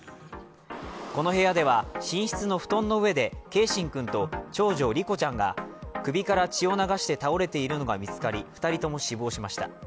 この部屋では寝室の布団の上で継真君と長女・梨心ちゃんが首から血を流して倒れているのが見つかり、２人とも死亡しました。